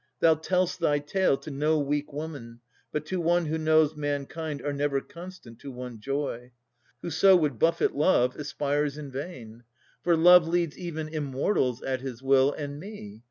Thou tell'st thy tale To no weak woman, but to one who knows Mankind are never constant to one joy. Whoso would buffet Love, aspires in vain. For Love leads even Immortals at his will, And me.